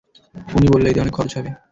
উনি বলল, এতে অনেক খরচ হবে।